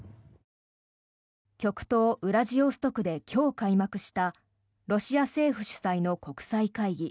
極東ウラジオストクで今日、開幕したロシア政府主催の国際会議